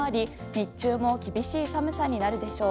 日中も厳しい寒さになるでしょう。